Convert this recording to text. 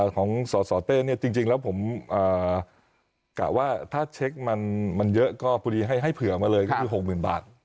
ของสสเต้เนี่ยจริงแล้วผมกะว่าถ้าเช็คมันเยอะก็พอดีให้เผื่อมาเลยก็คือ๖๐๐๐บาท